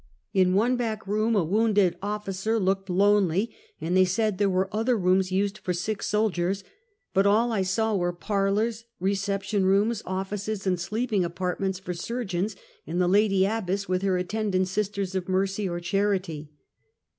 In one back room a wounded officer looked lonely, and they said there were other rooms used for sick soldiers, but all I saw were parlors^ reception rooms, offices and sleeping apartments for surgeons, and the Lady Abbess, with her attendant Sisters of Mercy or Charity.